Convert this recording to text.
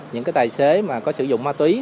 những tài xế có sử dụng ma túy